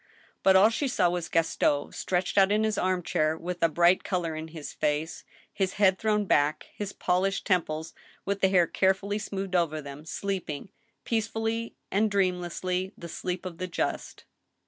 Bat all she saw was Gaston stretched out in his arm chair, with a bright color in his face, his head thrown back, his polished temples with the hair carefully smoothed over them, sleeping, peacefully and dreamlessly, the sleep of the just.